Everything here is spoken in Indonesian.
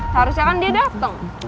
seharusnya kan dia dateng